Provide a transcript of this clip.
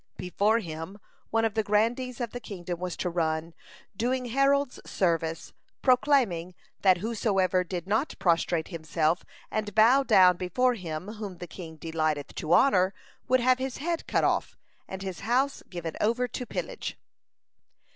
Before him one of the grandees of the kingdom was to run, doing herald's service, proclaiming that whosoever did not prostrate himself and bow down before him whom the king delighteth to honor, would have his head cut off, and his house given over to pillage.